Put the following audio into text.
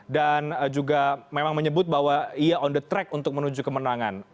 dan juga memang menyebut bahwa ia on the track untuk menuju kemenangan